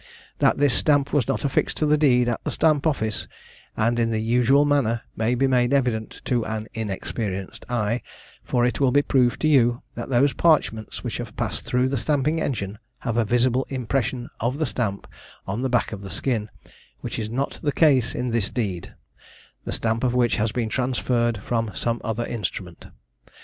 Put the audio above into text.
That this stamp was not affixed to the deed at the Stamp office, and in the usual manner may be made evident to an inexperienced eye; for it will be proved to you, that those parchments which have passed through the stamping engine have a visible impression of the stamp on the back of the skin, which is not the case in this deed; the stamp of which has been transferred from some other instrument.